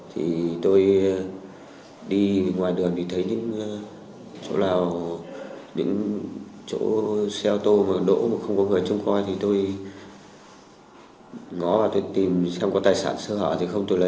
thì tôi đi ngoài đường thì thấy những chỗ lào những chỗ xe ô tô mà đổ mà không có người chung coi thì tôi ngó và tôi tìm xem có tài sản sơ hỏa thì không tôi lấy